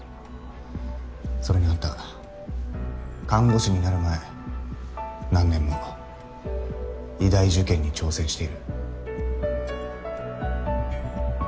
それにあんた看護師になる前何年も医大受験に挑戦している。